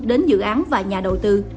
đến dự án và nhà đầu tư